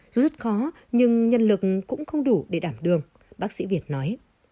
dù rất khó nhưng nhân lực cũng không đủ để đảm đường bác sĩ việt nói